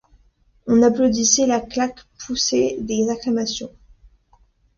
On applaudissait, la claque poussait des acclamations.